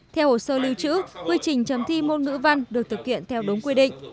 theo hồ sơ lưu trữ quy trình chấm thi môn ngữ văn được thực hiện theo đúng quy định